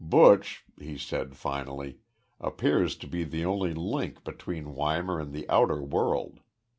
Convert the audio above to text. "Buch," he said, finally, "appears to be the only link between Weimar and the outer world.